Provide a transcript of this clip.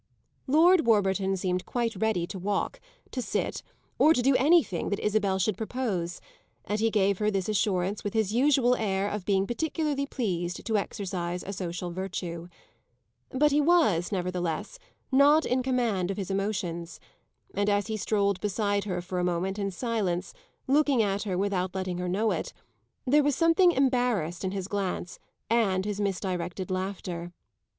Lord Warburton seemed quite ready to walk, to sit or to do anything that Isabel should propose, and he gave her this assurance with his usual air of being particularly pleased to exercise a social virtue. But he was, nevertheless, not in command of his emotions, and as he strolled beside her for a moment, in silence, looking at her without letting her know it, there was something embarrassed in his glance and his misdirected laughter.